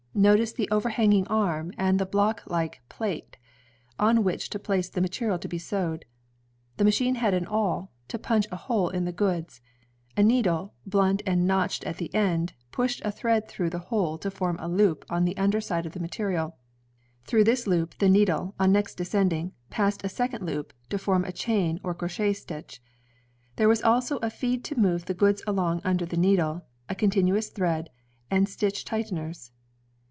Notice the overhanging arm and the block like plate on which to place the material to be sewed. The machine had an awl, to pimth a hole in the goods \ needle blunt and notched at the end, pushed a thread through the hole to form a loop on the under side of the material Through this loop ~ the needle, on next a second loop to form a c^qi" or crochet stitch There was also a feed to move the goods along under the needle, a continuous thread, and stitch tighteners.